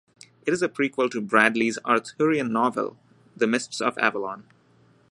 It is a prequel to Bradley's Arthurian novel "The Mists of Avalon".